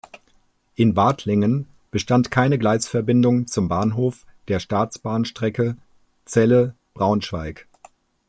In Wathlingen bestand keine Gleisverbindung zum Bahnhof der Staatsbahnstrecke Celle–Braunschweig.